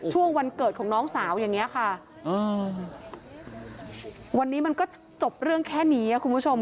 ช่วงวันเกิดของน้องสาวอย่างเงี้ยค่ะอืมวันนี้มันก็จบเรื่องแค่นี้คุณผู้ชม